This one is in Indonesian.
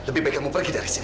lebih baik kamu pergi dari sini